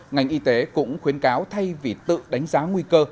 ngành y tế cũng khuyến cáo thay vì tự đánh giá nguy cơ